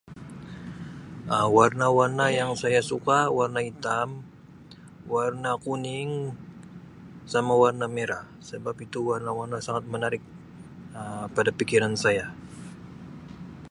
Um Warna-warna yang saya suka warna hitam, warna kuning, sama warna merah sabab itu warna-warna sangat menarik Um pada pikiran saya.